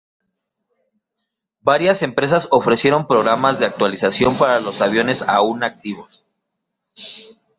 Varias empresas ofrecieron programas de actualización para los aviones aún activos.